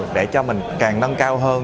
để cho mình càng nâng cao hơn